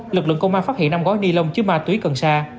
lực lượng công an phát hiện năm gói ni lông chứa ma túy cần sa